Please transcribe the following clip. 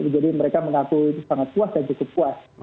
jadi mereka mengaku itu sangat puas dan cukup puas